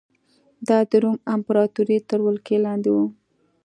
دا د روم امپراتورۍ تر ولکې لاندې و